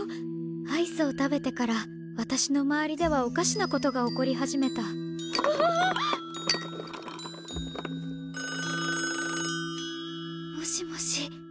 アイスを食べてから私の周りではおかしなことが起こり始めたうわあ！もしもし？